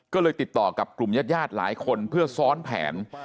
ก็เลยติดต่อกับกลุ่มญาติญาติหลายคนเพื่อซ้อนแผน